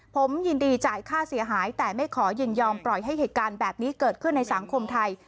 ผมยินดีจ่ายค่าเสียหายแต่ไม่ขอยินยอมปล่อยให้เหตุการณ์แบบนี้เกิดขึ้นในสังคมไทย